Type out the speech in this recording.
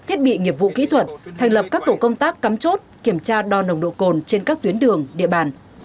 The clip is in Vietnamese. thiết bị nghiệp vụ kỹ thuật thành lập các tổ công tác cắm chốt kiểm tra đo nồng độ cồn trên các tuyến đường địa bàn